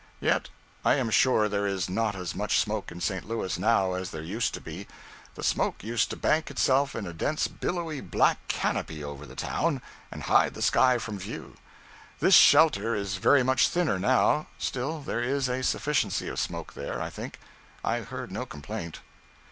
Yet I am sure there is not as much smoke in St. Louis now as there used to be. The smoke used to bank itself in a dense billowy black canopy over the town, and hide the sky from view. This shelter is very much thinner now; still, there is a sufficiency of smoke there, I think. I heard no complaint.